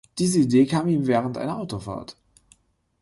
Diese Idee kam ihm während einer Autofahrt.